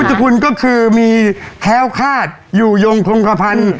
พุทธคุณก็คือมีแท้วคาดอยู่ยงพลงคภัณฑ์